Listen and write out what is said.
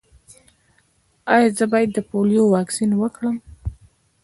ایا زه باید د پولیو واکسین وکړم؟